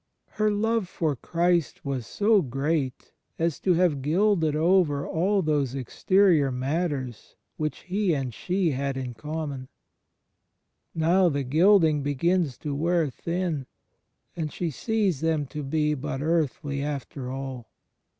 Her love for Christ was so great as to have gilded over all those exterior matters which He and she had in common; now the gilding begins to wear thin, and she sees th^m to be but earthly after all.